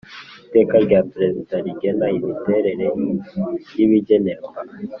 Iteka rya Perezida rigena imiterere y ibigenerwa